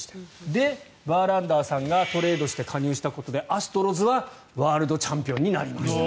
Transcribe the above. で、バーランダーさんがトレードして加入したことでアストロズはワールドチャンピオンになりました。